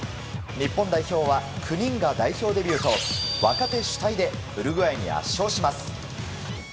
日本代表は９人が代表デビューと若手主体でウルグアイに圧勝します。